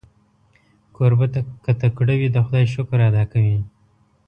کوربه که تکړه وي، د خدای شکر ادا کوي.